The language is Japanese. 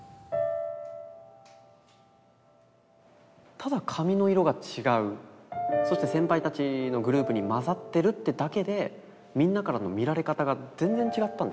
ただ髪の色が違うそして先輩たちのグループに混ざってるってだけでみんなからの見られ方が全然違ったんですよ。